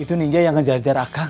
itu ninja yang ngejar jar akang